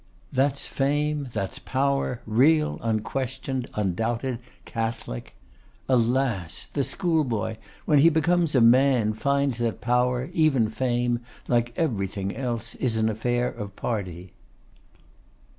That's fame, that's power; real, unquestioned, undoubted, catholic. Alas! the schoolboy, when he becomes a man, finds that power, even fame, like everything else, is an affair of party.